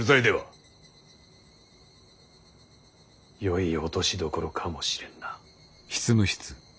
よい落としどころかもしれんな。